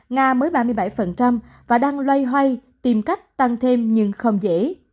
nga mới ba mươi bảy và đang loay hoay tìm cách tăng thêm nhưng không dễ